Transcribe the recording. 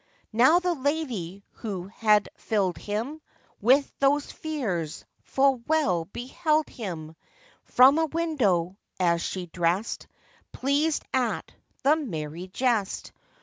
Now the lady who had filled him With those fears, full well beheld him From a window, as she dressed, Pleasèd at the merry jest.